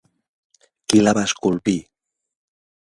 Qui la va esculpir?